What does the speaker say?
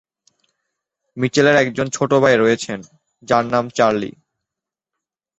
মিচেলের একজন ছোট ভাই রয়েছেন, যার নাম চার্লি।